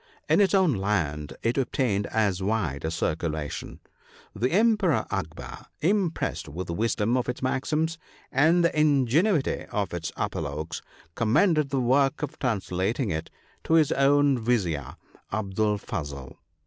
In its own land it obtained as wide a circulation. The Emperor Akbar, impressed with the wisdom of its maxims and the in genuity of its apologues, commended the work of trans lating it to his own Vizier, Abdul Fazel.